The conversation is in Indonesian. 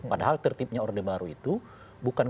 padahal tertibnya orde baru itu bukan